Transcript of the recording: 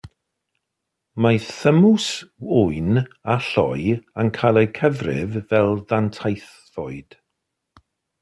Mae thymws ŵyn a lloi yn cael eu cyfrif yn ddanteithfwyd.